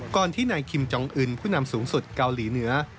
ที่นายคิมจองอื่นผู้นำสูงสุดเกาหลีเหนือ